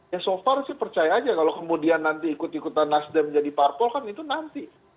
ya so far sih percaya aja kalau kemudian nanti ikut ikutan nasdem jadi parpol kan itu nanti